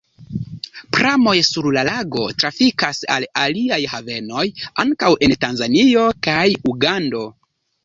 Pramoj sur la lago trafikas al aliaj havenoj, ankaŭ en Tanzanio kaj Ugando.